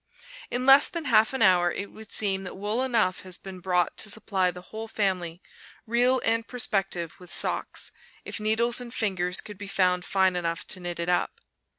In less than half an hour it would seem that wool enough has been brought to supply the whole family, real and prospective, with socks, if needles and fingers could be found fine enough to knit it up.